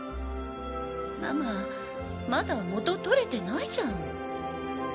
ママまだもととれてないじゃん。